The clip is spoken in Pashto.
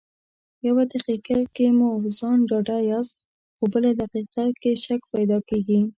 يو دقيقه کې مو په ځان ډاډه ياست خو بله دقيقه شک پیدا کېږي.